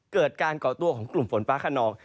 เกิดการเกาะตัวของกลุ่มฝนฟ้าข้างนอก